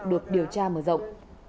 được điều tra mở rộng